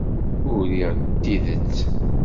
Urid d tidet.